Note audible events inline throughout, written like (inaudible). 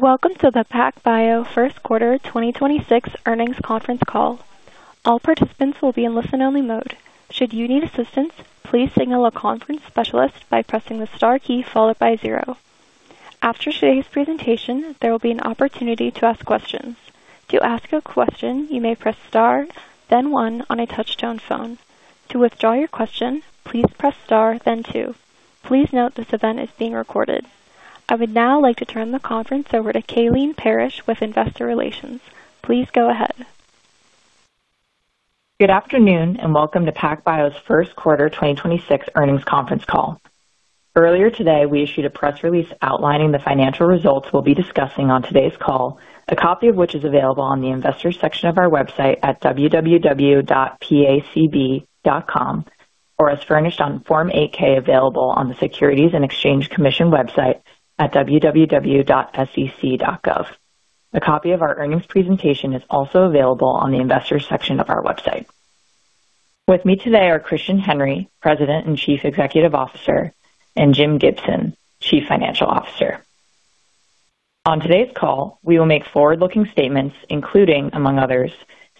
Welcome to the PacBio First Quarter 2026 Earnings Conference Call. I would now like to turn the conference over to Kayleen Parrish with Investor Relations. Please go ahead. Good afternoon, and welcome to PacBio's First Quarter 2026 Earnings Conference Call. Earlier today, we issued a press release outlining the financial results we'll be discussing on today's call, a copy of which is available on the Investors section of our website at www.pacb.com, or as furnished on Form 8-K, available on the Securities and Exchange Commission website at www.sec.gov. A copy of our earnings presentation is also available on the Investors section of our website. With me today are Christian Henry, President and Chief Executive Officer, and Jim Gibson, Chief Financial Officer. On today's call, we will make forward-looking statements, including, among others,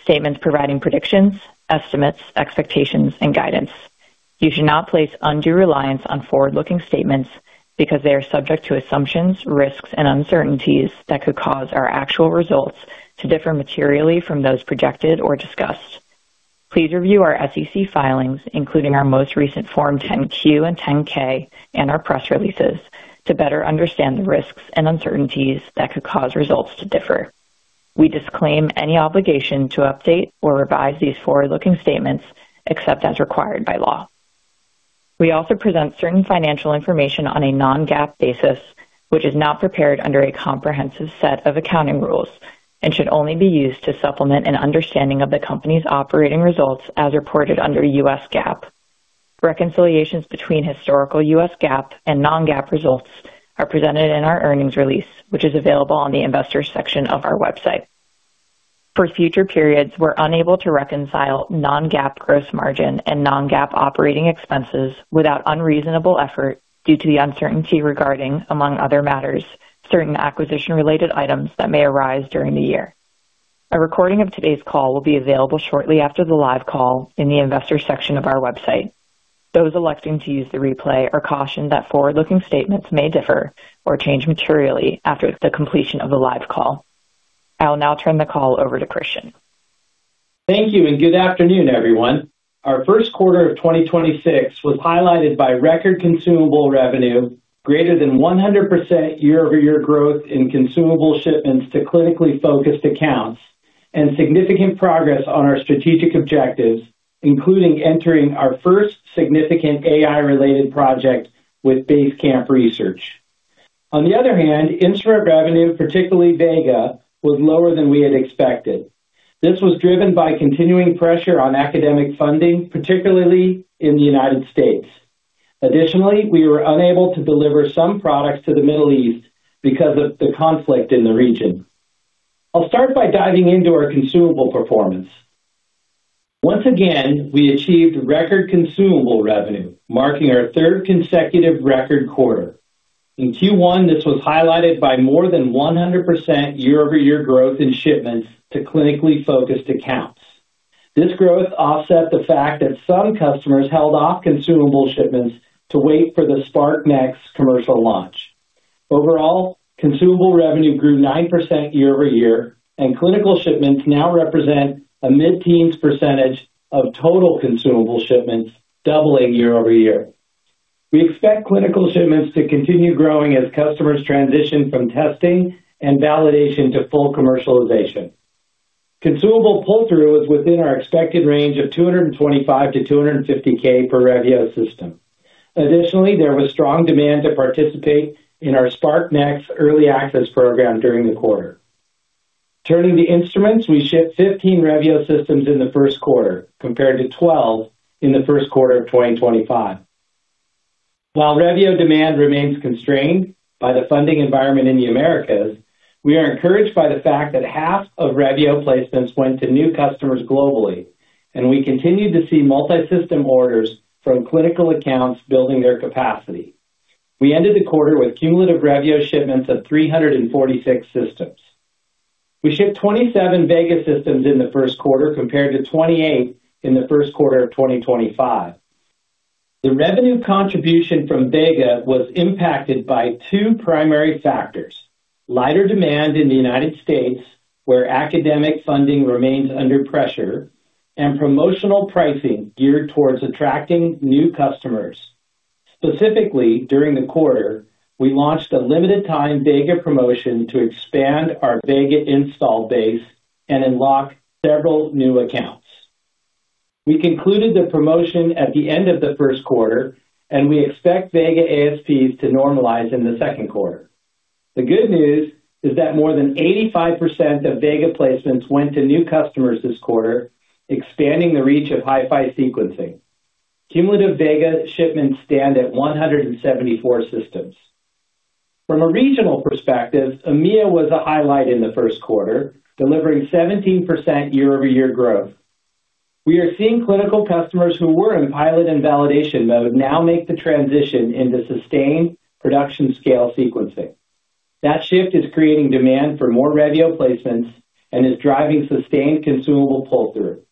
statements providing predictions, estimates, expectations, and guidance. You should not place undue reliance on forward-looking statements because they are subject to assumptions, risks, and uncertainties that could cause our actual results to differ materially from those projected or discussed. Please review our SEC filings, including our most recent Form 10-Q and Form 10-K and our press releases to better understand the risks and uncertainties that could cause results to differ. We disclaim any obligation to update or revise these forward-looking statements except as required by law. We also present certain financial information on a non-GAAP basis, which is not prepared under a comprehensive set of accounting rules and should only be used to supplement an understanding of the company's operating results as reported under US GAAP. Reconciliations between historical US GAAP and non-GAAP results are presented in our earnings release, which is available on the Investors section of our website. For future periods, we're unable to reconcile non-GAAP gross margin and non-GAAP operating expenses without unreasonable effort due to the uncertainty regarding, among other matters, certain acquisition-related items that may arise during the year. A recording of today's call will be available shortly after the live call in the Investors section of our website. Those electing to use the replay are cautioned that forward-looking statements may differ or change materially after the completion of the live call. I will now turn the call over to Christian. Thank you and good afternoon, everyone. Our first quarter of 2026 was highlighted by record consumable revenue, greater than 100% year-over-year growth in consumable shipments to clinically focused accounts, and significant progress on our strategic objectives, including entering our first significant AI-related project with Basecamp Research. On the other hand, instrument revenue, particularly Vega, was lower than we had expected. This was driven by continuing pressure on academic funding, particularly in the United States. Additionally, we were unable to deliver some products to the Middle East because of the conflict in the region. I'll start by diving into our consumable performance. Once again, we achieved record consumable revenue, marking our third consecutive record quarter. In Q1, this was highlighted by more than 100% year-over-year growth in shipments to clinically focused accounts. This growth offset the fact that some customers held off consumable shipments to wait for the SPRQ-Nx commercial launch. Overall, consumable revenue grew 9% year-over-year, and clinical shipments now represent a mid-teens percentage of total consumable shipments, doubling year-over-year. We expect clinical shipments to continue growing as customers transition from testing and validation to full commercialization. Consumable pull-through is within our expected range of $225,000-$250,000 per Revio system. Additionally, there was strong demand to participate in our SPRQ-Nx early access program during the quarter. Turning to instruments, we shipped 15 Revio systems in the first quarter, compared to 12 in the first quarter of 2025. While Revio demand remains constrained by the funding environment in the Americas, we are encouraged by the fact that half of Revio placements went to new customers globally, and we continued to see multi-system orders from clinical accounts building their capacity. We ended the quarter with cumulative Revio shipments of 346 systems. We shipped 27 Vega systems in the first quarter, compared to 28 in the first quarter of 2025. The revenue contribution from Vega was impacted by two primary factors: lighter demand in the U.S., where academic funding remains under pressure, and promotional pricing geared towards attracting new customers. Specifically, during the quarter, we launched a limited time Vega promotion to expand our Vega install base and unlock several new accounts. We concluded the promotion at the end of the first quarter, and we expect Vega ASPs to normalize in the second quarter. The good news is that more than 85% of Vega placements went to new customers this quarter, expanding the reach of HiFi sequencing. Cumulative Vega shipments stand at 174 systems. From a regional perspective, EMEA was a highlight in the first quarter, delivering 17% year-over-year growth. We are seeing clinical customers who were in pilot and validation mode now make the transition into sustained production-scale sequencing. That shift is creating demand for more Revio placements and is driving sustained consumable pull-through.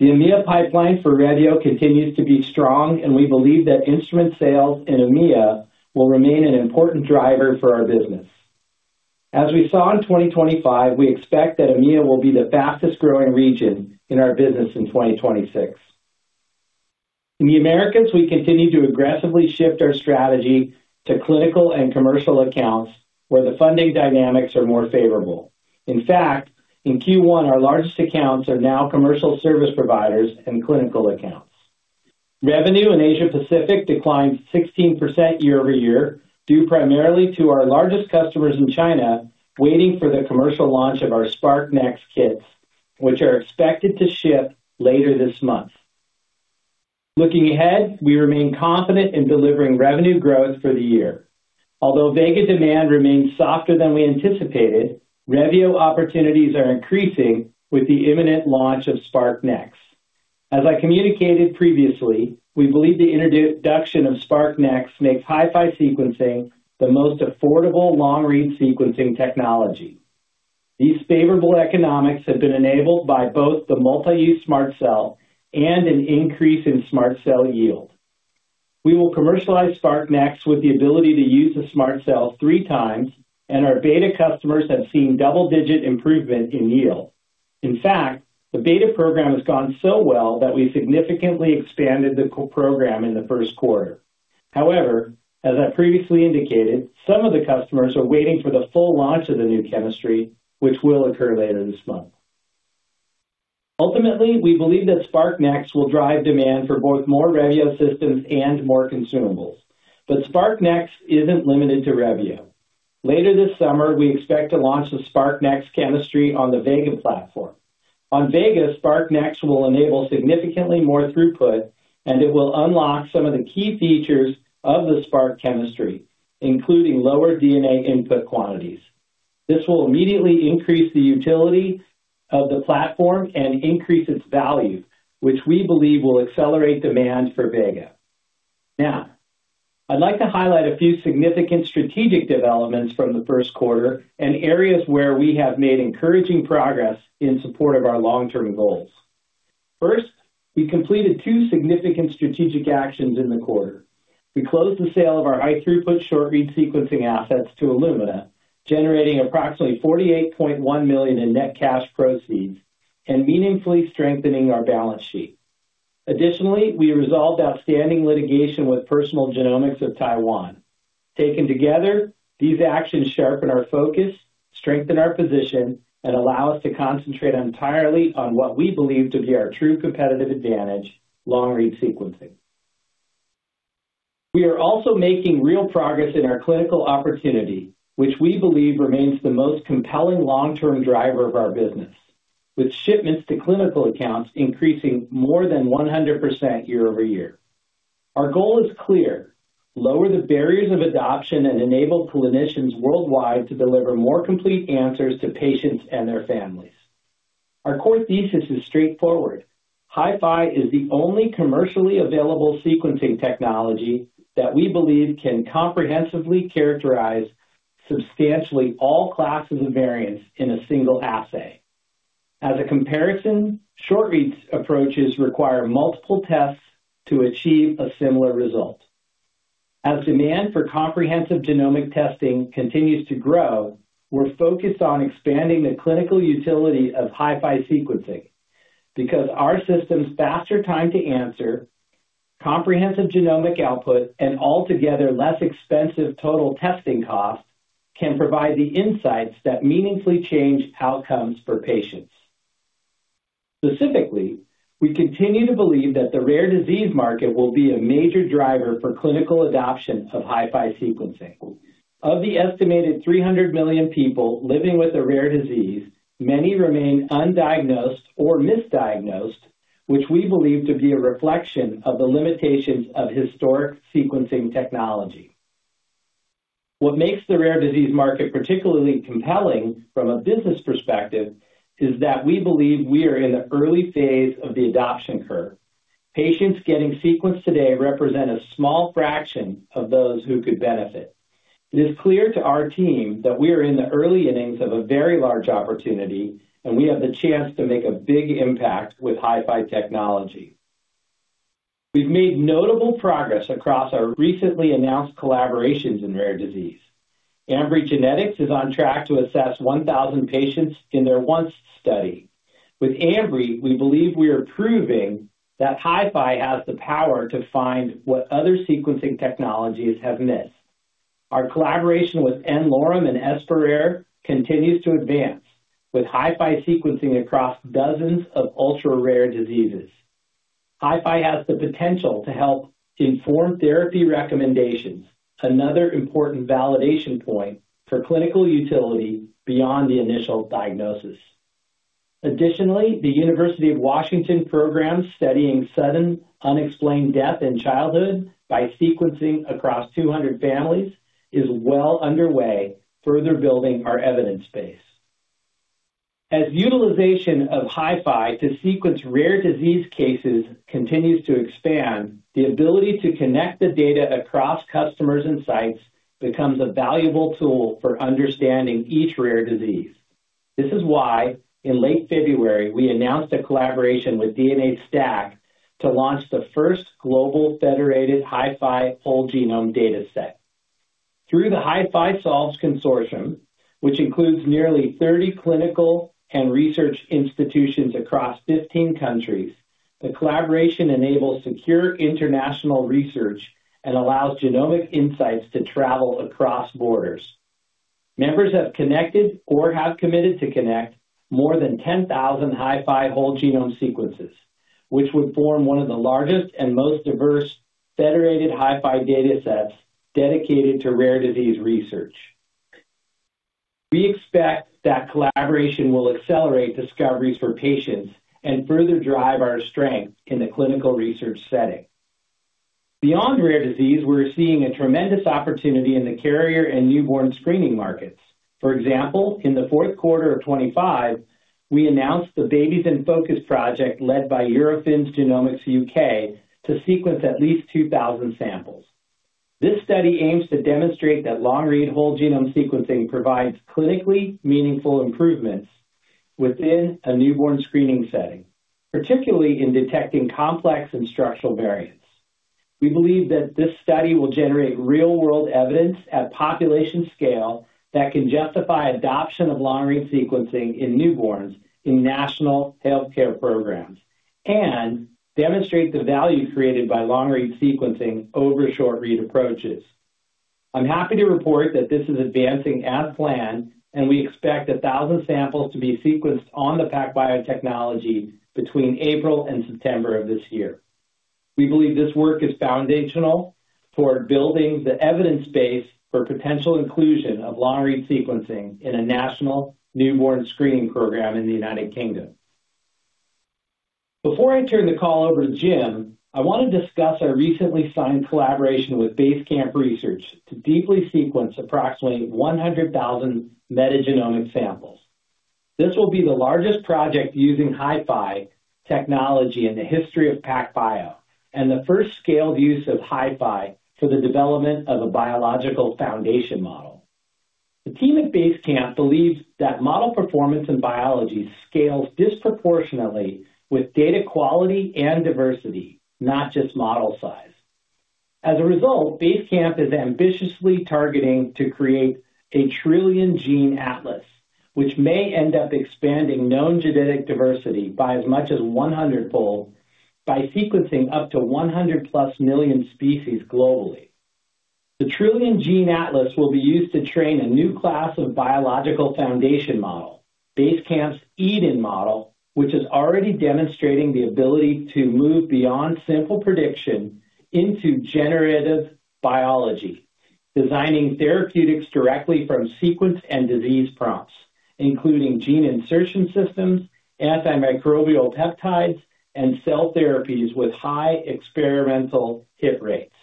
The EMEA pipeline for Revio continues to be strong, and we believe that instrument sales in EMEA will remain an important driver for our business. As we saw in 2025, we expect that EMEA will be the fastest-growing region in our business in 2026. In the Americas, we continue to aggressively shift our strategy to clinical and commercial accounts where the funding dynamics are more favorable. In fact, in Q1, our largest accounts are now commercial service providers and clinical accounts. Revenue in Asia Pacific declined 16% year-over-year, due primarily to our largest customers in China waiting for the commercial launch of our SPRQ-Nx kits, which are expected to ship later this month. Looking ahead, we remain confident in delivering revenue growth for the year. Although Vega demand remains softer than we anticipated, Revio opportunities are increasing with the imminent launch of SPRQ-Nx. As I communicated previously, we believe the introduction of SPRQ-Nx makes HiFi sequencing the most affordable long-read sequencing technology. These favorable economics have been enabled by both the multi-use SMRT Cell and an increase in SMRT Cell yield. We will commercialize SPRQ-Nx with the ability to use the SMRT Cell 3x, our beta customers have seen double-digit improvement in yield. In fact, the beta program has gone so well that we significantly expanded the program in the first quarter. As I previously indicated, some of the customers are waiting for the full launch of the new chemistry, which will occur later this month. We believe that SPRQ-Nx will drive demand for both more Revio systems and more consumables. SPRQ-Nx isn't limited to Revio. Later this summer, we expect to launch the SPRQ-Nx chemistry on the Vega platform. On Vega, SPRQ-Nx will enable significantly more throughput, and it will unlock some of the key features of the SMRT chemistry, including lower DNA input quantities. This will immediately increase the utility of the platform and increase its value, which we believe will accelerate demand for Vega. I'd like to highlight a few significant strategic developments from the first quarter and areas where we have made encouraging progress in support of our long-term goals. We completed two significant strategic actions in the quarter. We closed the sale of our high-throughput short-read sequencing assets to Illumina, generating approximately $48.1 million in net cash proceeds and meaningfully strengthening our balance sheet. We resolved outstanding litigation with Personal Genomics of Taiwan. Taken together, these actions sharpen our focus, strengthen our position, and allow us to concentrate entirely on what we believe to be our true competitive advantage: long-read sequencing. We are also making real progress in our clinical opportunity, which we believe remains the most compelling long-term driver of our business, with shipments to clinical accounts increasing more than 100% year-over-year. Our goal is clear: lower the barriers of adoption and enable clinicians worldwide to deliver more complete answers to patients and their families. Our core thesis is straightforward. HiFi is the only commercially available sequencing technology that we believe can comprehensively characterize substantially all classes of variants in a single assay. As a comparison, short-reads approaches require multiple tests to achieve a similar result. As demand for comprehensive genomic testing continues to grow, we're focused on expanding the clinical utility of HiFi sequencing because our system's faster time to answer, comprehensive genomic output, and altogether less expensive total testing costs can provide the insights that meaningfully change outcomes for patients. Specifically, we continue to believe that the rare disease market will be a major driver for clinical adoption of HiFi sequencing. Of the estimated 300 million people living with a rare disease, many remain undiagnosed or misdiagnosed, which we believe to be a reflection of the limitations of historic sequencing technology. What makes the rare disease market particularly compelling from a business perspective is that we believe we are in the early phase of the adoption curve. Patients getting sequenced today represent a small fraction of those who could benefit. It is clear to our team that we are in the early innings of a very large opportunity, and we have the chance to make a big impact with HiFi technology. We've made notable progress across our recently announced collaborations in rare disease. Ambry Genetics is on track to assess 1,000 patients in their ONCE study. With Ambry, we believe we are proving that HiFi has the power to find what other sequencing technologies have missed. Our collaboration with n-Lorem and EspeRare continues to advance with HiFi sequencing across dozens of ultra-rare diseases. HiFi has the potential to help inform therapy recommendations, another important validation point for clinical utility beyond the initial diagnosis. Additionally, the University of Washington program studying sudden unexplained death in childhood by sequencing across 200 families is well underway, further building our evidence base. As utilization of HiFi to sequence rare disease cases continues to expand, the ability to connect the data across customers and sites becomes a valuable tool for understanding each rare disease. This is why, in late February, we announced a collaboration with DNAstack to launch the first global federated HiFi whole genome data set. Through the HiFi Solves Consortium, which includes nearly 30 clinical and research institutions across 15 countries, the collaboration enables secure international research and allows genomic insights to travel across borders. Members have connected or have committed to connect more than 10,000 HiFi whole genome sequences, which would form one of the largest and most diverse federated HiFi data sets dedicated to rare disease research. We expect that collaboration will accelerate discoveries for patients and further drive our strength in the clinical research setting. Beyond rare disease, we're seeing a tremendous opportunity in the carrier and newborn screening markets. For example, in the fourth quarter of 2025, we announced the Babies in Focus project led by Eurofins Genomics U.K. to sequence at least 2,000 samples. This study aims to demonstrate that long-read whole genome sequencing provides clinically meaningful improvements within a newborn screening setting, particularly in detecting complex and structural variants. We believe that this study will generate real-world evidence at population scale that can justify adoption of long-read sequencing in newborns in national healthcare programs and demonstrate the value created by long-read sequencing over short-read approaches. I'm happy to report that this is advancing as planned, and we expect 1,000 samples to be sequenced on the PacBio technology between April and September of this year. We believe this work is foundational for building the evidence base for potential inclusion of long-read sequencing in a national newborn screening program in the United Kingdom. Before I turn the call over to Jim, I want to discuss our recently signed collaboration with Basecamp Research to deeply sequence approximately 100,000 metagenomic samples. This will be the largest project using HiFi technology in the history of PacBio, and the first scaled use of HiFi for the development of a biological foundation model. The team at Basecamp believes that model performance in biology scales disproportionately with data quality and diversity, not just model size. As a result, Basecamp is ambitiously targeting to create a Trillion Gene Atlas, which may end up expanding known genetic diversity by as much as 100-fold by sequencing up to 100+ million species globally. The Trillion Gene Atlas will be used to train a new class of biological foundation model, Basecamp's EDEN model, which is already demonstrating the ability to move beyond simple prediction into generative biology, designing therapeutics directly from sequence and disease prompts, including gene insertion systems, antimicrobial peptides, and cell therapies with high experimental hit rates.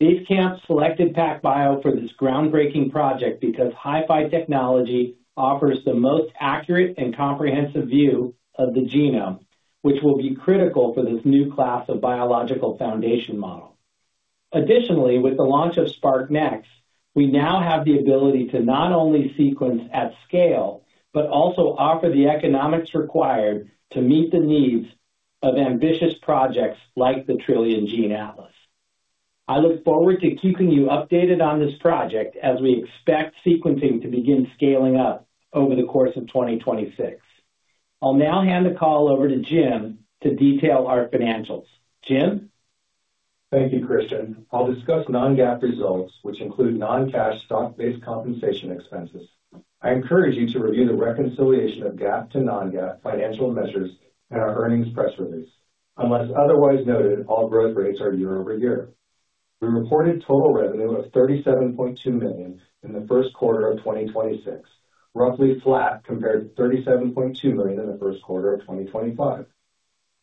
Basecamp selected PacBio for this groundbreaking project because HiFi technology offers the most accurate and comprehensive view of the genome, which will be critical for this new class of biological foundation model. Additionally, with the launch of SPRQ-Nx, we now have the ability to not only sequence at scale, but also offer the economics required to meet the needs of ambitious projects like the Trillion Gene Atlas. I look forward to keeping you updated on this project as we expect sequencing to begin scaling up over the course of 2026. I'll now hand the call over to Jim to detail our financials. Jim? Thank you, Christian. I'll discuss non-GAAP results, which include non-cash stock-based compensation expenses. I encourage you to review the reconciliation of GAAP to non-GAAP financial measures in our earnings press release. Unless otherwise noted, all growth rates are year-over-year. We reported total revenue of $37.2 million in the first quarter of 2026, roughly flat compared to $37.2 million in the first quarter of 2025.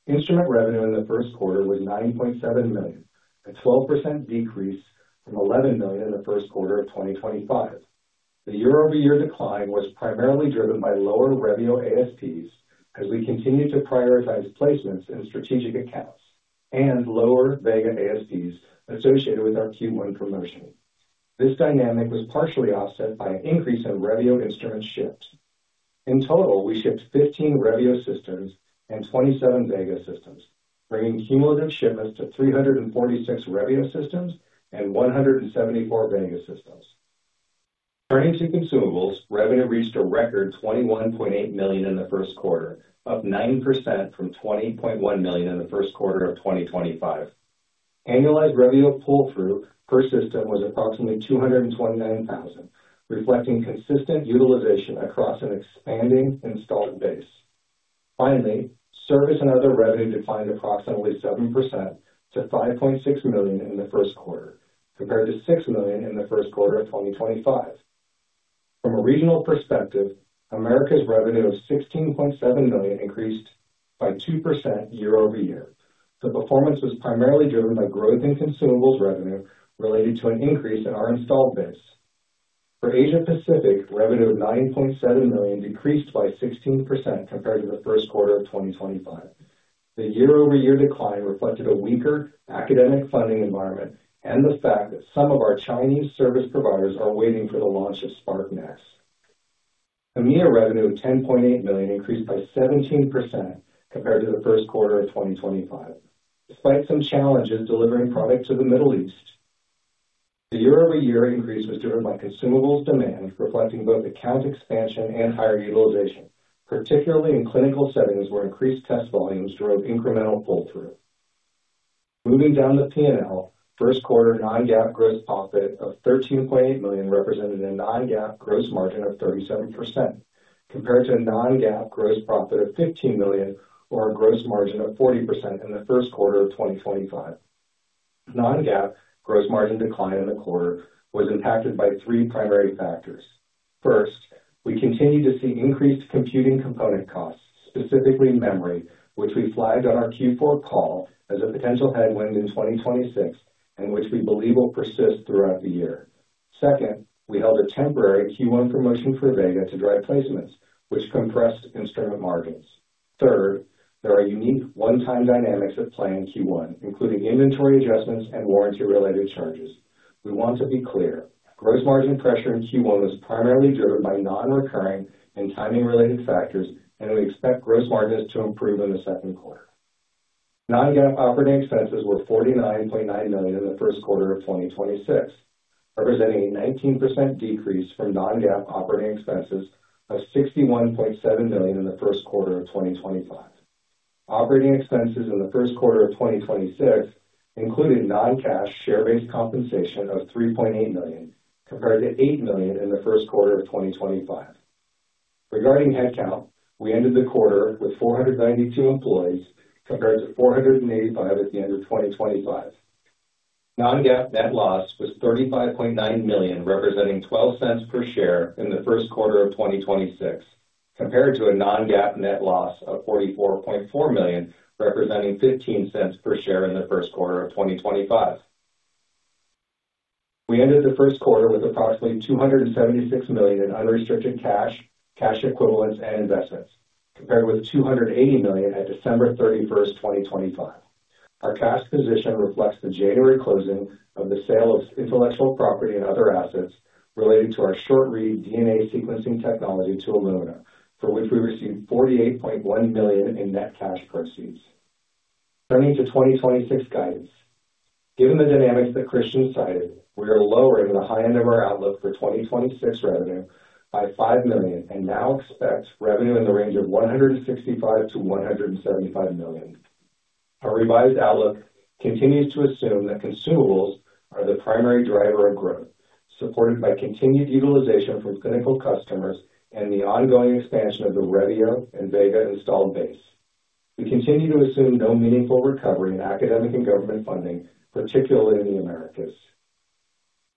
Instrument revenue in the first quarter was $9.7 million, a 12% decrease from $11 million in the first quarter of 2025. The year-over-year decline was primarily driven by lower Revio ASPs, as we continued to prioritize placements in strategic accounts, and lower Vega ASPs associated with our Q1 promotion. This dynamic was partially offset by an increase in Revio instrument ships. In total, we shipped 15 Revio systems and 27 Vega systems, bringing cumulative shipments to 346 Revio systems and 174 Vega systems. Turning to consumables, revenue reached a record $21.8 million in the first quarter, up 9% from $20.1 million in the first quarter of 2024. Annualized Revio pull-through per system was approximately $229,000, reflecting consistent utilization across an expanding installed base. Finally, service and other revenue declined approximately 7% to $5.6 million in the first quarter, compared to $6 million in the first quarter of 2024. From a regional perspective, Americas revenue of $16.7 million increased by 2% year-over-year. The performance was primarily driven by growth in consumables revenue related to an increase in our installed base. For Asia Pacific, revenue of $9.7 million decreased by 16% compared to the first quarter of 2025. The year-over-year decline reflected a weaker academic funding environment and the fact that some of our Chinese service providers are waiting for the launch of SPRQ-Nx. EMEA revenue of $10.8 million increased by 17% compared to the first quarter of 2025, despite some challenges delivering product to the Middle East. The year-over-year increase was driven by consumables demand, reflecting both account expansion and higher utilization, particularly in clinical settings where increased test volumes drove incremental pull-through. Moving down the P&L, first quarter non-GAAP gross profit of $13.8 million represented a non-GAAP gross margin of 37%, compared to a non-GAAP gross profit of $15 million or a gross margin of 40% in the first quarter of 2025. Non-GAAP gross margin decline in the quarter was impacted by three primary factors. First, we continue to see increased computing component costs, specifically memory, which we flagged on our Q4 call as a potential headwind in 2026, and which we believe will persist throughout the year. Second, we held a temporary Q1 promotion for Vega to drive placements, which compressed instrument margins. Third, there are unique one-time dynamics at play in Q1, including inventory adjustments and warranty-related charges. We want to be clear, gross margin pressure in Q1 was primarily driven by non-recurring and timing-related factors, and we expect gross margins to improve in the second quarter. non-GAAP operating expenses were $49.9 million in the first quarter of 2026, representing a 19% decrease from non-GAAP operating expenses of $61.7 million in the first quarter of 2025. Operating expenses in the first quarter of 2026 included non-cash share-based compensation of $3.8 million, compared to $8 million in the first quarter of 2025. Regarding headcount, we ended the quarter with 492 employees, compared to 485 at the end of 2025. Non-GAAP net loss was $35.9 million, representing $0.12 per share in the first quarter of 2026, compared to a non-GAAP net loss of $44.4 million, representing $0.15 per share in the first quarter of 2025. We ended the first quarter with approximately $276 million in unrestricted cash equivalents, and investments, compared with $280 million at December 31, 2025. Our cash position reflects the January closing of the sale of intellectual property and other assets related to our short-read DNA sequencing technology to Illumina, for which we received $48.1 million in net cash proceeds. Turning to 2026 guidance. Given the dynamics that Christian cited, we are lowering the high end of our outlook for 2026 revenue by $5 million and now expect revenue in the range of $165 million-$175 million. Our revised outlook continues to assume that consumables are the primary driver of growth, supported by continued utilization from clinical customers and the ongoing expansion of the Revio and Vega installed base. We continue to assume no meaningful recovery in academic and government funding, particularly in the Americas.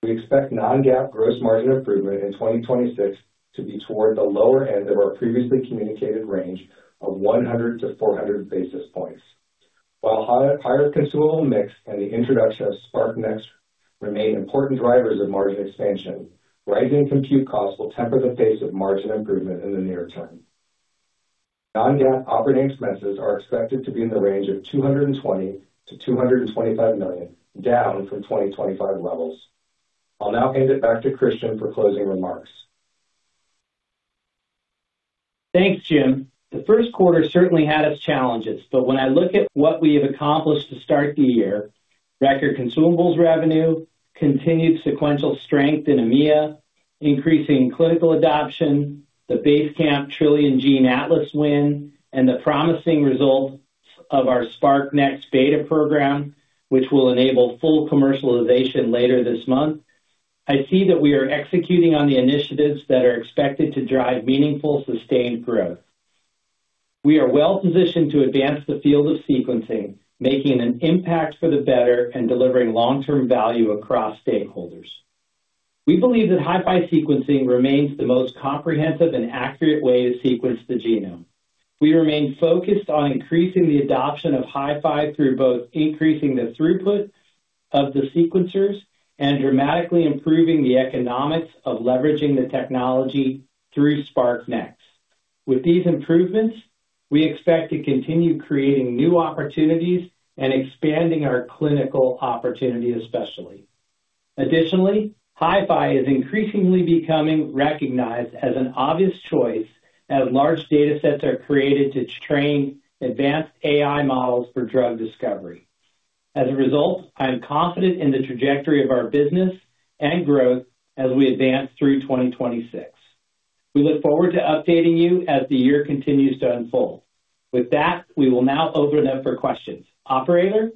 We expect non-GAAP gross margin improvement in 2026 to be toward the lower end of our previously communicated range of 100-400 basis points. Higher consumable mix and the introduction of SPRQ-Nx remain important drivers of margin expansion, rising compute costs will temper the pace of margin improvement in the near term. Non-GAAP operating expenses are expected to be in the range of $220 million-$225 million, down from 2025 levels. I'll now hand it back to Christian for closing remarks. Thanks, Jim. The first quarter certainly had its challenges, but when I look at what we have accomplished to start the year, record consumables revenue, continued sequential strength in EMEA, increasing clinical adoption, the Basecamp Trillion Gene Atlas win, and the promising results of our SPRQ-Nx beta program, which will enable full commercialization later this month, I see that we are executing on the initiatives that are expected to drive meaningful, sustained growth. We are well-positioned to advance the field of sequencing, making an impact for the better and delivering long-term value across stakeholders. We believe that HiFi sequencing remains the most comprehensive and accurate way to sequence the genome. We remain focused on increasing the adoption of HiFi through both increasing the throughput of the sequencers and dramatically improving the economics of leveraging the technology through SPRQ-Nx. With these improvements, we expect to continue creating new opportunities and expanding our clinical opportunity, especially. Additionally, HiFi is increasingly becoming recognized as an obvious choice as large data sets are created to train advanced AI models for drug discovery. As a result, I am confident in the trajectory of our business and growth as we advance through 2026. We look forward to updating you as the year continues to unfold. With that, we will now open up for questions. Operator?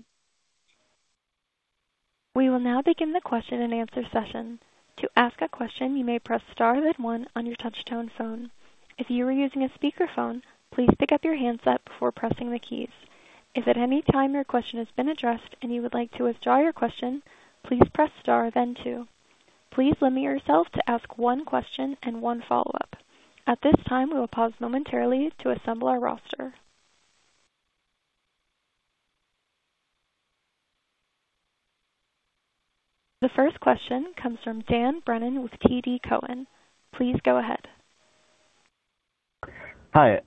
We will now begin the question-and-answer session. To ask a question, you may press star then one on your touch-tone phone. If you are using a speakerphone, please pick up your handset before pressing the keys. If at any time your question has been addressed and you would like to withdraw your question, please press star then two. Please limit yourself to ask one question and one follow-up. At this time, we will pause momentarily to assemble our roster. The first question comes from Dan Brennan with TD Cowen. Please go ahead. Hi,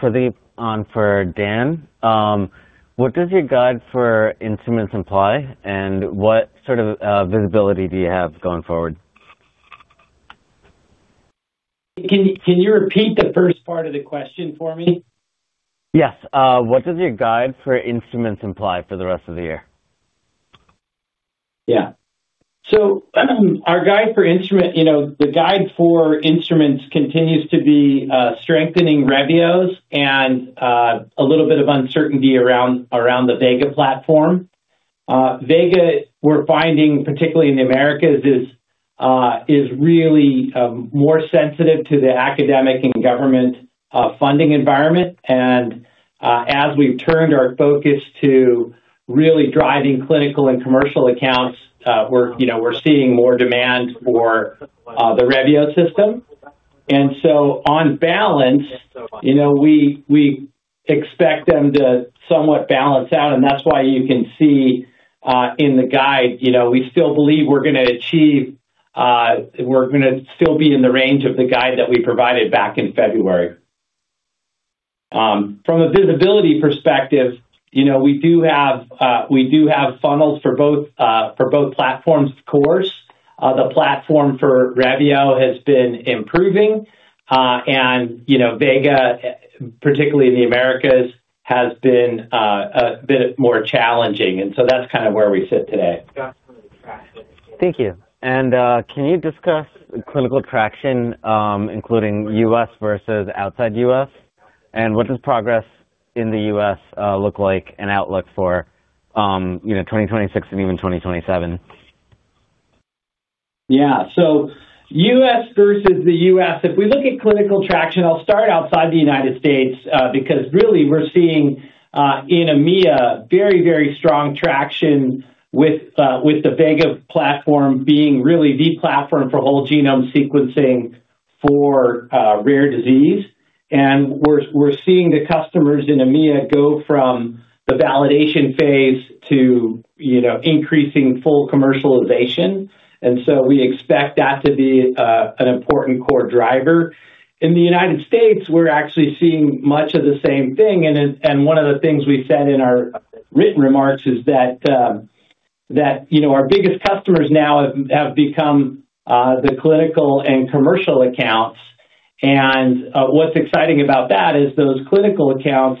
Philip on for Dan. What does your guide for instruments imply, and what sort of visibility do you have going forward? Can you repeat the first part of the question for me? Yes. What does your guide for instruments imply for the rest of the year? Yeah. Our guide for instrument, you know, the guide for instruments continues to be strengthening Revio and a little bit of uncertainty around the Vega platform. Vega, we're finding, particularly in the Americas, is really more sensitive to the academic and government funding environment. As we've turned our focus to really driving clinical and commercial accounts, we're, you know, we're seeing more demand for the Revio system. On balance, you know, we expect them to somewhat balance out, and that's why you can see in the guide, you know, we still believe we're gonna achieve, we're gonna still be in the range of the guide that we provided back in February. From a visibility perspective, you know, we do have, we do have funnels for both, for both platforms, of course. The platform for Revio has been improving. Vega, particularly in the Americas, has been, a bit more challenging, and so that's kind of where we sit today. Thank you. Can you discuss clinical traction, including U.S. versus outside U.S.? What does progress in the U.S. look like and outlook for 2026 and even 2027? U.S. versus the U.S., if we look at clinical traction, I'll start outside the U.S., because really we're seeing in EMEA very, very strong traction with the Vega platform being really the platform for whole genome sequencing for rare disease. We're seeing the customers in EMEA go from the validation phase to increasing full commercialization. We expect that to be an important core driver. In the U.S., we're actually seeing much of the same thing. One of the things we said in our written remarks is that, you know, our biggest customers now have become the clinical and commercial accounts. What's exciting about that is those clinical accounts,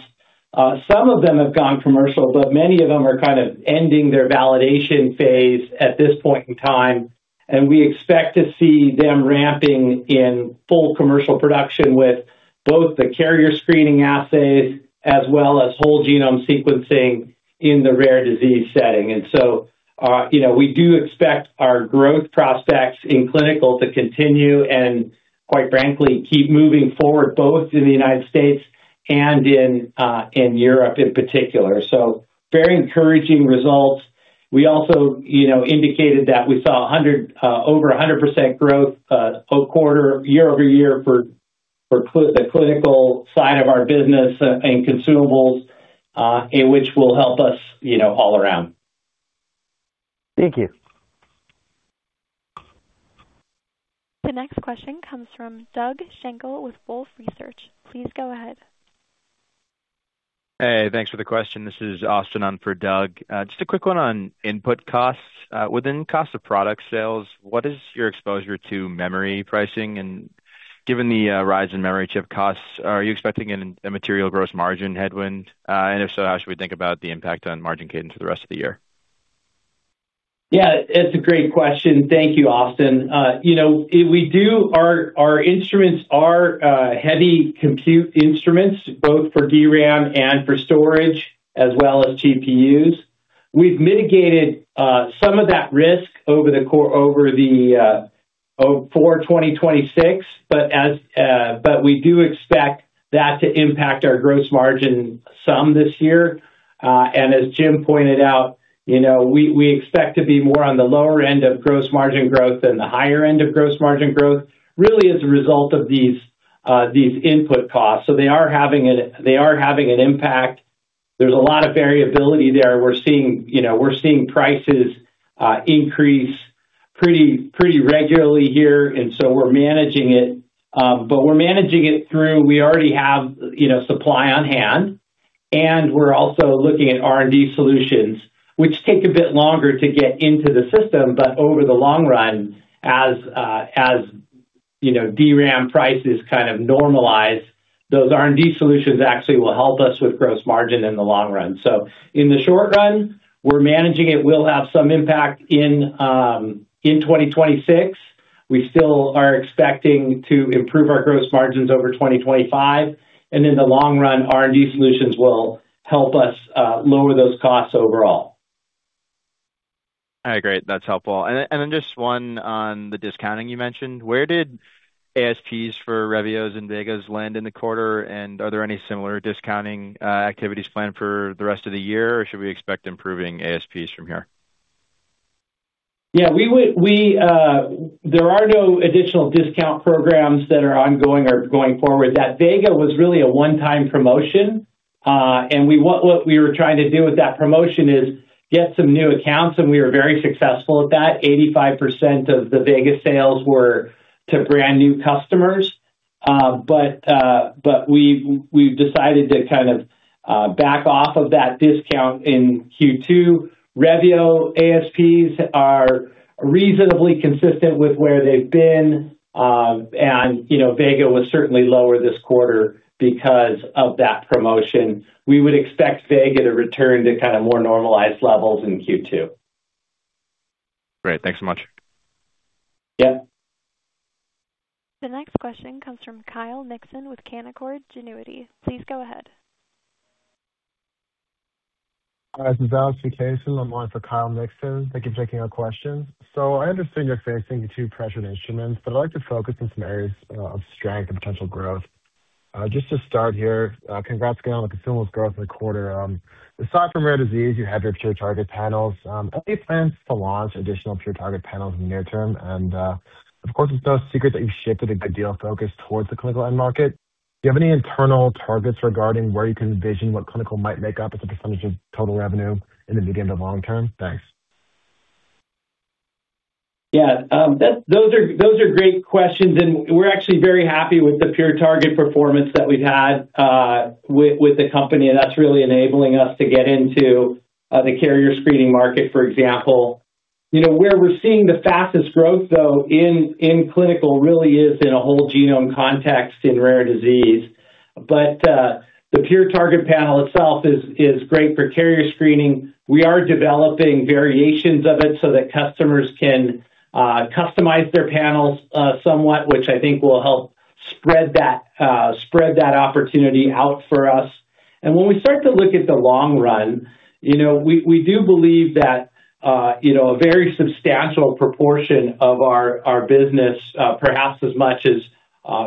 some of them have gone commercial, but many of them are kind of ending their validation phase at this point in time, and we expect to see them ramping in full commercial production with both the carrier screening assays as well as whole genome sequencing in the rare disease setting. You know, we do expect our growth prospects in clinical to continue and, quite frankly, keep moving forward both in the U.S. and in Europe in particular. Very encouraging results. We also, you know, indicated that we saw 100, over 100% growth per quarter year-over-year for the clinical side of our business and consumables, and which will help us all around. Thank you. The next question comes from Doug Schenkel with Wolfe Research. Please go ahead. Hey, thanks for the question. This is Austin on for Doug. Just a quick one on input costs. Within cost of product sales, what is your exposure to memory pricing? Given the rise in memory chip costs, are you expecting a material gross margin headwind? If so, how should we think about the impact on margin cadence for the rest of the year? It's a great question. Thank you, Austin. Our instruments are heavy compute instruments, both for DRAM and for storage as well as GPUs. We've mitigated some of that risk over the 2026, we do expect that to impact our gross margin some this year. As Jim pointed out we expect to be more on the lower end of gross margin growth than the higher end of gross margin growth, really as a result of these input costs. They are having an impact. There's a lot of variability there. We're seeing prices increase pretty regularly here, we're managing it. We're managing it through, we already have, you know, supply on hand. We're also looking at R&D solutions, which take a bit longer to get into the system, but over the long run, as DRAM prices kind of normalize, those R&D solutions actually will help us with gross margin in the long run. In the short run, we're managing it. We'll have some impact in 2026. We still are expecting to improve our gross margins over 2025. In the long run, R&D solutions will help us lower those costs overall. All right, great. That's helpful. Just one on the discounting you mentioned. Where did ASPs for Revios and Vegas land in the quarter, and are there any similar discounting activities planned for the rest of the year, or should we expect improving ASPs from here? There are no additional discount programs that are ongoing or going forward. That Vega was really a one-time promotion, and what we were trying to do with that promotion is get some new accounts, and we were very successful at that. 85% of the Vega sales were to brand-new customers. We've decided to kind of back off of that discount in Q2. Revio ASPs are reasonably consistent with where they've been, and, you know, Vega was certainly lower this quarter because of that promotion. We would expect Vega to return to kind of more normalized levels in Q2. Great. Thanks so much. The next question comes from Kyle Mikson with Canaccord Genuity. Please go ahead. Hi, this is. (audio distortion) I'm on for Kyle Mikson. Thank you for taking our question. I understand you're facing two pressured instruments, but I'd like to focus on some areas of strength and potential growth. Just to start here, congrats again on the consumables growth in the quarter. Aside from rare disease, you have your PureTarget panels. Any plans to launch additional PureTarget panels in the near term? Of course, it's no secret that you've shifted a good deal of focus towards the clinical end market. Do you have any internal targets regarding where you can envision what clinical might make up as a percentage of total revenue in the medium to long term? Thanks. Those are great questions. We're actually very happy with the PureTarget performance that we've had with the company. That's really enabling us to get into the carrier screening market, for example. You know, where we're seeing the fastest growth, though, in clinical really is in a whole genome context in rare disease. The PureTarget panel itself is great for carrier screening. We are developing variations of it so that customers can customize their panels somewhat, which I think will help spread that opportunity out for us. When we start to look at the long run, you know, we do believe that, you know, a very substantial proportion of our business, perhaps as much as,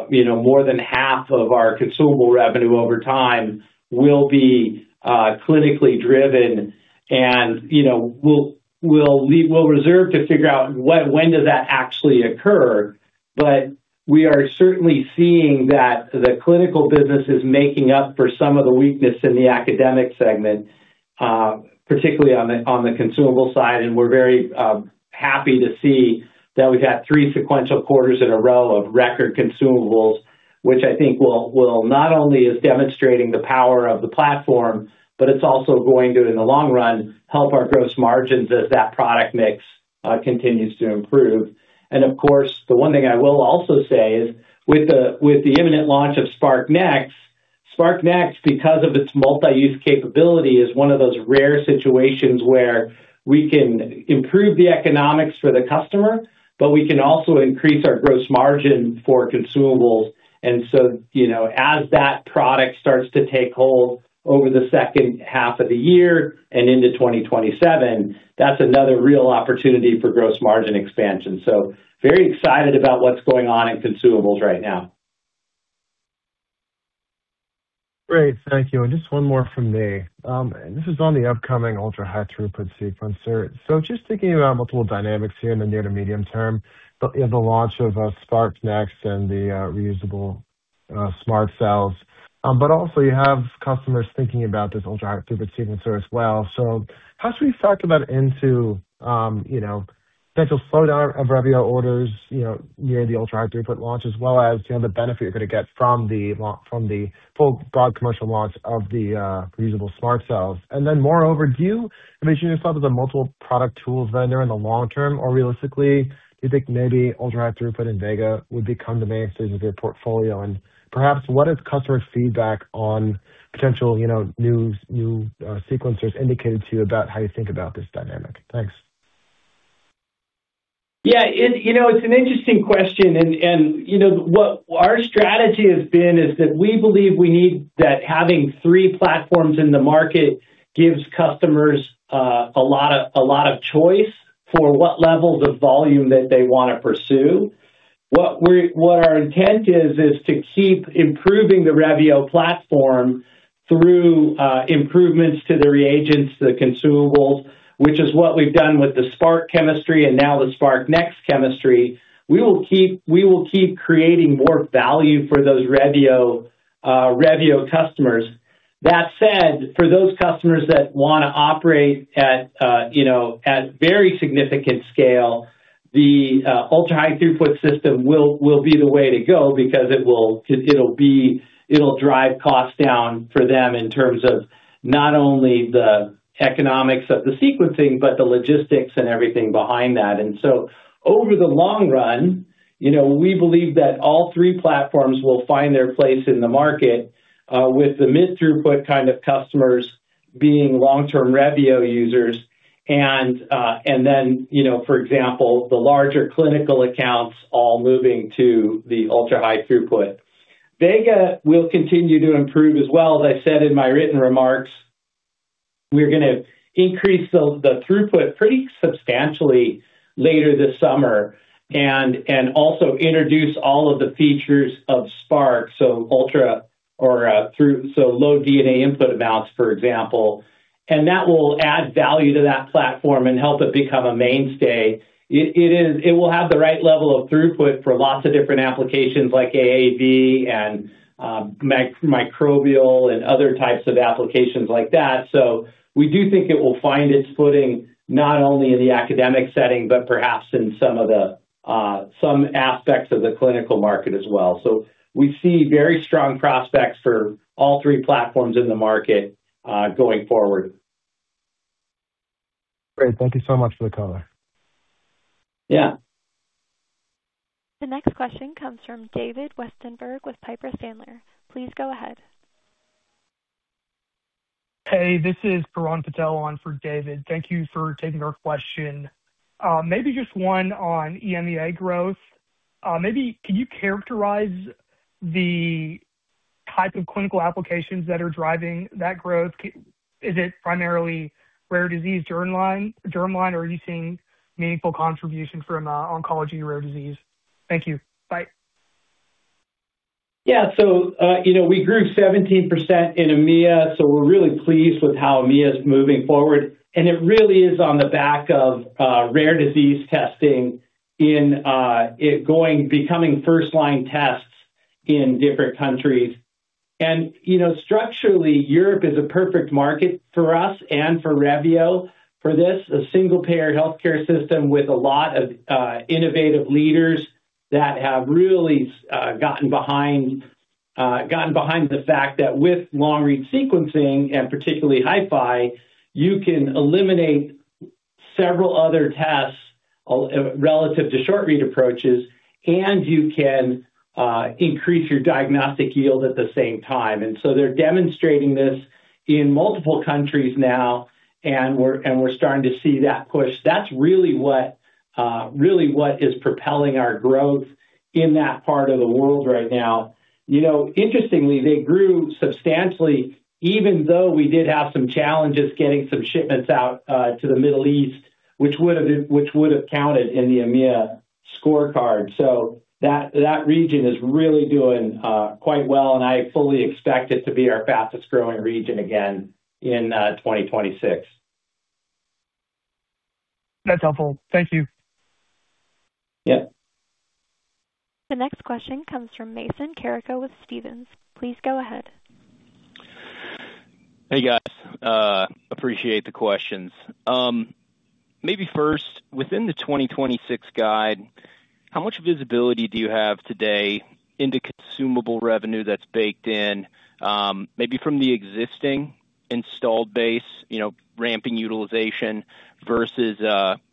you know, more than half of our consumable revenue over time, will be clinically driven. You know, we'll reserve to figure out when does that actually occur, but we are certainly seeing that the clinical business is making up for some of the weakness in the academic segment, particularly on the consumable side. We're very happy to see that we've had three sequential quarters in a row of record consumables, which I think will not only is demonstrating the power of the platform, but it's also going to, in the long run, help our gross margins as that product mix continues to improve. Of course, the one thing I will also say is, with the imminent launch of SPRQ-Nx because of its multi-use capability, is one of those rare situations where we can improve the economics for the customer, but we can also increase our gross margin for consumables. You know, as that product starts to take hold over the second half of the year and into 2027, that's another real opportunity for gross margin expansion. Very excited about what's going on in consumables right now. Great. Thank you. Just one more from me. This is on the upcoming ultra-high-throughput sequencer. Just thinking about multiple dynamics here in the near to medium term the launch of SPRQ-Nx and the reusable SMRT Cells, you have customers thinking about this ultra-high throughput sequencer as well. How should we factor that into potential slowdown of Revio orders, you know, near the ultra-high throughput launch, as well as the benefit you're gonna get from the full broad commercial launch of the reusable SMRT Cells? Moreover, do you envision yourself as a multiple-product tools vendor in the long term? Realistically, do you think maybe ultra-high-throughput and Vega would become the mainstays of your portfolio? Perhaps what has customer feedback on potential new sequencers indicated to you about how you think about this dynamic? Thanks. It's an interesting question and what our strategy has been is that we believe that having three platforms in the market gives customers a lot of choice for what levels of volume that they wanna pursue. What our intent is to keep improving the Revio platform through improvements to the reagents, the consumables, which is what we've done with the SPRQ-Nx chemistry and now the SPRQ-Nx chemistry. We will keep creating more value for those Revio Revio customers. That said, for those customers that wanna operate at very significant scale, the ultra-high throughput system will be the way to go because it will drive costs down for them in terms of not only the economics of the sequencing, but the logistics and everything behind that. Over the long run we believe that all three platforms will find their place in the market, with the mid-throughput kind of customers being long-term Revio users, and then for example, the larger clinical accounts all moving to the ultra-high throughput. Vega will continue to improve as well, as I said in my written remarks. We're gonna increase the throughput pretty substantially later this summer and also introduce all of the features of SPRQ, so Ultra or, so low DNA input amounts, for example. That will add value to that platform and help it become a mainstay. It will have the right level of throughput for lots of different applications like AAV and microbial and other types of applications like that. We do think it will find its footing, not only in the academic setting, but perhaps in some of the some aspects of the clinical market as well. We see very strong prospects for all three platforms in the market going forward. Great. Thank you so much for the color. The next question comes from David Westenberg with Piper Sandler. Please go ahead. Hey, this is Peron Patel on for David. Thank you for taking our question. maybe just one on EMEA growth. Maybe, can you characterize the type of clinical applications that are driving that growth? Is it primarily rare disease germline, or are you seeing meaningful contribution from oncology rare disease? Thank you. Bye. We grew 17% in EMEA, so we're really pleased with how EMEA is moving forward, and it really is on the back of rare disease testing in becoming first line tests in different countries. You know, structurally, Europe is a perfect market for us and for Revio for this. A single-payer healthcare system with a lot of innovative leaders that have really gotten behind the fact that with long-read sequencing and particularly HiFi, you can eliminate several other tests relative to short-read approaches, and you can increase your diagnostic yield at the same time. They're demonstrating this in multiple countries now, and we're starting to see that push. That's really what really what is propelling our growth in that part of the world right now. Interestingly, they grew substantially even though we did have some challenges getting some shipments out to the Middle East, which would have counted in the EMEA scorecard. That region is really doing quite well, and I fully expect it to be our fastest-growing region again in 2026. That's helpful. Thank you. The next question comes from Mason Carrico with Stephens. Please go ahead. Hey, guys. appreciate the questions. First, within the 2026 guide, how much visibility do you have today into consumable revenue that's baked in, maybe from the existing installed base ramping utilization versus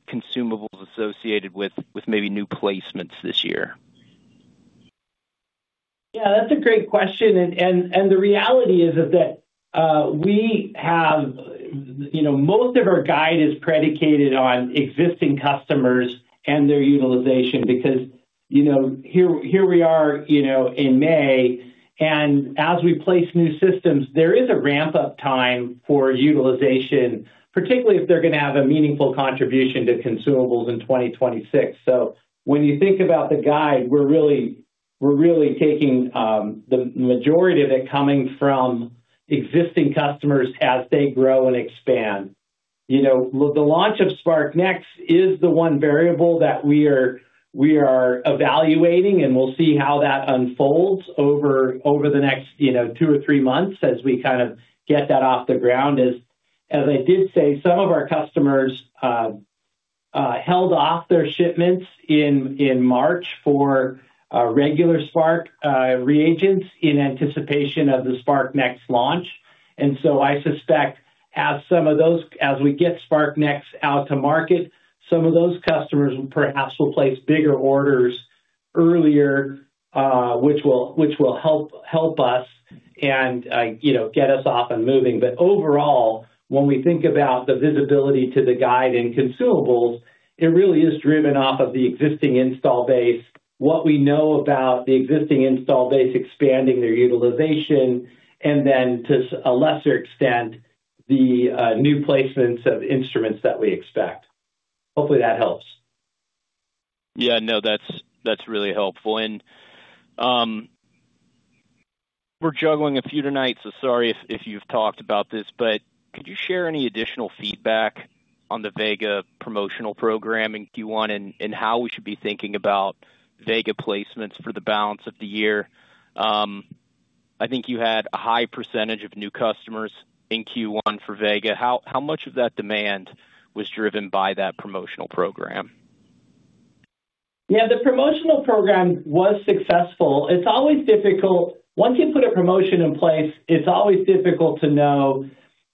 consumables associated with maybe new placements this year? That's a great question. The reality is that we have, you know, most of our guide is predicated on existing customers and their utilization because, you know, here we are, you know, in May, and as we place new systems, there is a ramp-up time for utilization, particularly if they're gonna have a meaningful contribution to consumables in 2026. When you think about the guide, we're really taking the majority of it coming from existing customers as they grow and expand. You know, the launch of SPRQ-Nx is the one variable that we are evaluating, and we'll see how that unfolds over the next two or three months as we get that off the ground. As I did say, some of our customers held off their shipments in March for regular SPRQ reagents in anticipation of the SPRQ-Nx launch. I suspect as some of those, as we get SPRQ-Nx out to market, some of those customers perhaps will place bigger orders earlier, which will help us and get us off and moving. Overall, when we think about the visibility to the guide and consumables, it really is driven off of the existing install base, what we know about the existing install base expanding their utilization, and then to a lesser extent, the new placements of instruments that we expect. Hopefully that helps. No, that's really helpful. We're juggling a few tonight, so sorry if you've talked about this, could you share any additional feedback on the Vega promotional program in Q1 and how we should be thinking about Vega placements for the balance of the year? I think you had a high percentage of new customers in Q1 for Vega. How much of that demand was driven by that promotional program? The promotional program was successful. It's always difficult once you put a promotion in place, it's always difficult to know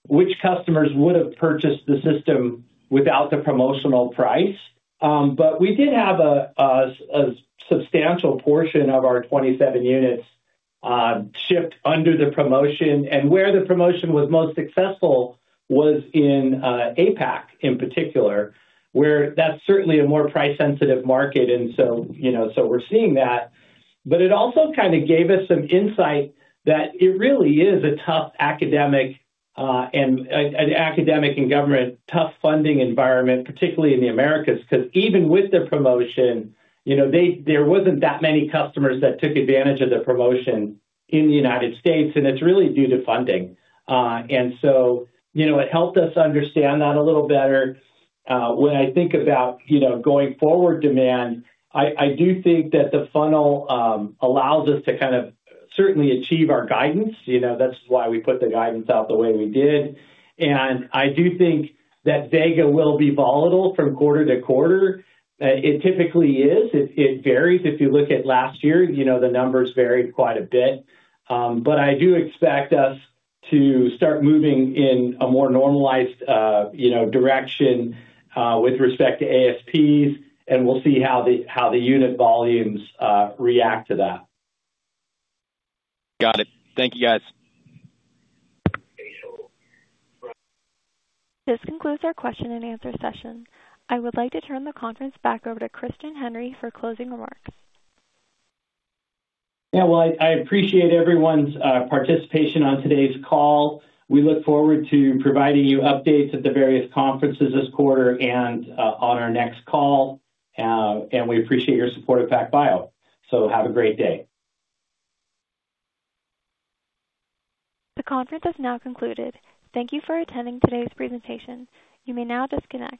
which customers would have purchased the system without the promotional price. We did have a substantial portion of our 27 units shipped under the promotion, and where the promotion was most successful was in APAC in particular, where that's certainly a more price-sensitive market. We're seeing that, but it also gave us some insight that it really is a tough academic and government tough funding environment, particularly in the Americas. Even with the promotion there wasn't that many customers that took advantage of the promotion in the U.S., and it's really due to funding. It helped us understand that a little better. When I think about, you know, going forward demand, I do think that the funnel allows us to certainly achieve our guidance. You know, that's why we put the guidance out the way we did. I do think that Vega will be volatile from quarter to quarter. It typically is. It varies. If you look at last year the numbers varied quite a bit. I do expect us to start moving in a more normalized direction with respect to ASPs, and we'll see how the unit volumes react to that. Got it. Thank you, guys. This concludes our question-and-answer session. I would like to turn the conference back over to Christian Henry for closing remarks. Well, I appreciate everyone's participation on today's call. We look forward to providing you updates at the various conferences this quarter and on our next call. We appreciate your support of PacBio, so have a great day. The conference has now concluded. Thank you for attending today's presentation. You may now disconnect.